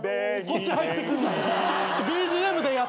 こっち入ってくんなよ。